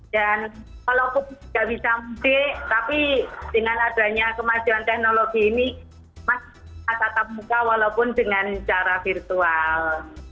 dan walaupun tidak bisa mudik tapi dengan adanya kemajuan teknologi ini masih tetap muka walaupun dengan cara virtual